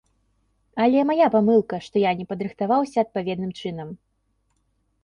Але мая памылка, што я не падрыхтаваўся адпаведным чынам.